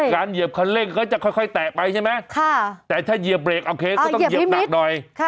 เหยียบคันเร่งก็จะค่อยแตะไปใช่ไหมแต่ถ้าเหยียบเรกโอเคก็ต้องเหยียบหนักหน่อย